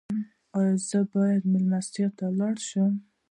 ایا زه باید میلمستیا ته لاړ شم؟